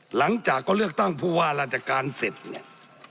หลังจากก็เลือกตั้งผู้ว่าราชการเสร็จเนี่ย